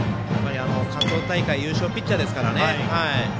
関東大会優勝ピッチャーですから。